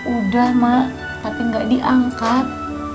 udah mak tapi nggak diangkat